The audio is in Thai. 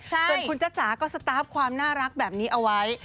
ส่วนคุณจ้าจ๋าก็สตาร์ฟความน่ารักแบบนี้เอาไว้